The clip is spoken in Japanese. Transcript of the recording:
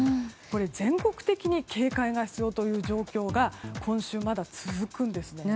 全国的に警戒が必要という状況が今週、まだ続くんですね。